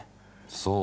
そう。